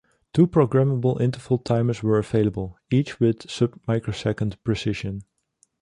Two programmable interval timers were available, each with sub-microsecond precision.